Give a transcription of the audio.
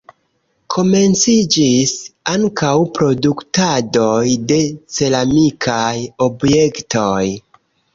Komenciĝis ankaŭ produktadoj de ceramikaj objektoj.